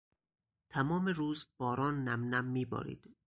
تمام روز باران نمنم میبارید.